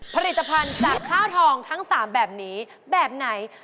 ผลิตภัณฑ์จากข้าวทองทั้ง๓แบบนี้แบบไหน